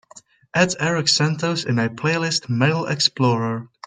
add erik santos in my playlist Metal Xplorer